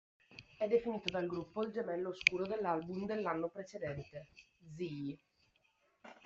È definito dal gruppo il gemello oscuro dell'album dell'anno precedente "Zii".